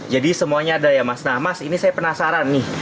jadi semuanya ada ya mas nah mas ini saya penasaran nih